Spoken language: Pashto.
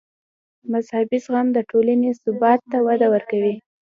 مذهبي زغم د ټولنې ثبات ته وده ورکوي.